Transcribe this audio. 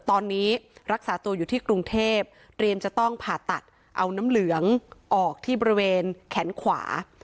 ตอนนี้รักษาตัวอยู่ที่กรุงเทพเตรียมจะต้องผ่าตัดเอาน้ำเหลืองออกที่บริเวณแขนขวา